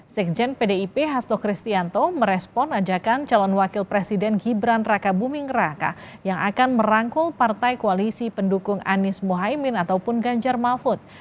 sekjen pdip hasto kristianto merespon ajakan calon wakil presiden gibran raka buming raka yang akan merangkul partai koalisi pendukung anies mohaimin ataupun ganjar mahfud